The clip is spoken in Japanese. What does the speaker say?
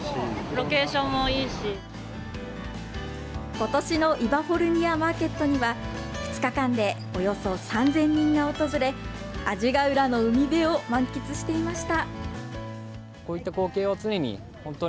ことしのイバフォルニア・マーケットには、２日間でおよそ３０００人が訪れ、阿字ヶ浦の海辺を満喫していました。